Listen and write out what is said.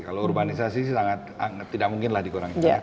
kalau urbanisasi tidak mungkinlah dikurangin